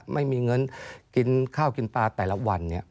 ไม่มีเงินกินข้าวกินปลาแต่ละวัน